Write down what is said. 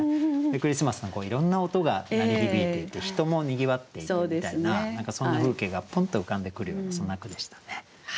クリスマスのいろんな音が鳴り響いていて人もにぎわっていてみたいな何かそんな風景がポンと浮かんでくるようなそんな句でしたね。